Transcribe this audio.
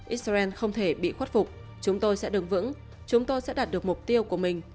israel không thể bị khuất phục chúng tôi sẽ đứng vững chúng tôi sẽ đạt được mục tiêu của mình